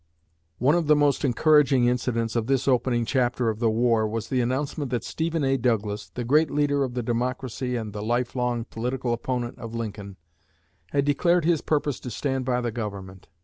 One of the most encouraging incidents of this opening chapter of the war was the announcement that Stephen A. Douglas, the great leader of the Democracy and the life long political opponent of Lincoln, had declared his purpose to stand by the Government.